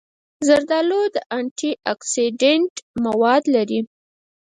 زردالو د انټي اکسېډنټ مواد لري.